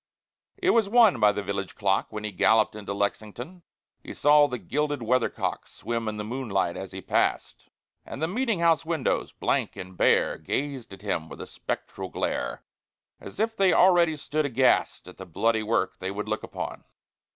It was one by the village clock, When he galloped into Lexington. He saw the gilded weathercock Swim in the moonlight as he passed, And the meeting house windows, blank and bare, Gaze at him with a spectral glare, As if they already stood aghast At the bloody work they would look upon.